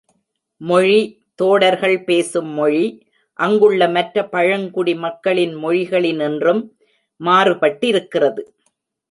மொழி தோடர்கள் பேசும் மொழி, அங்குள்ள மற்ற பழங்குடி மக்களின் மொழிகளினின்றும் மாறுபட்டிருக்கிறது.